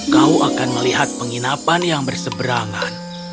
kau akan melihat penginapan yang berseberangan